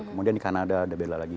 kemudian di kanada ada bela lagi